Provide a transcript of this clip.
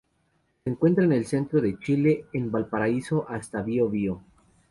Se encuentra en el centro de Chile en Valparaíso hasta Bío Bío.